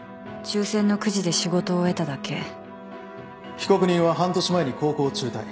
被告人は半年前に高校を中退。